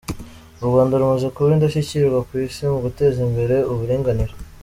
U Rwanda rumaze kuba indashyikirwa ku Isi mu guteza imbere uburinganire.